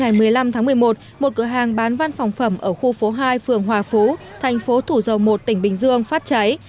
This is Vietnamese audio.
khoảng bốn giờ ba mươi phút ngày một mươi năm tháng một mươi một một cửa hàng bán văn phòng phẩm ở khu phố hai phường hòa phú thành phố thủ dầu một tỉnh bình dương phát cháy